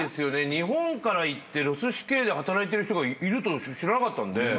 日本から行ってロス市警で働いてる人がいると知らなかったんで。